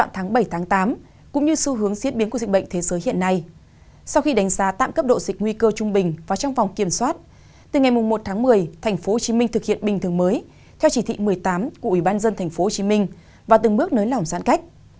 từ ngày một tháng một mươi tp hcm thực hiện bình thường mới theo chỉ thị một mươi tám của ubnd tp hcm và từng bước nới lỏng giãn cách